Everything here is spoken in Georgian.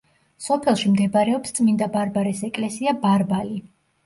სოფელში მდებარეობს წმინდა ბარბარეს ეკლესია „ბარბალი“.